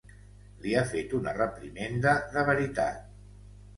Li ha fet una reprimenda de veritat.